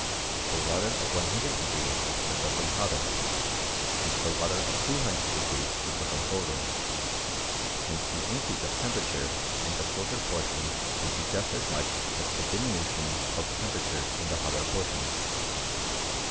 The water of 100° would become hotter, and the water of 200 would become colder : and the increase of temperature in the colder portion would be just as much as the diminution of temperature in the hotter portion.